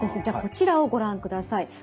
じゃあこちらをご覧ください。